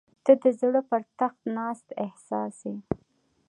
• ته د زړه پر تخت ناست احساس یې.